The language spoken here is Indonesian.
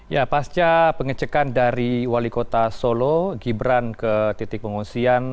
ya pasca pengecekan dari wali kota solo gibran ke titik pengungsian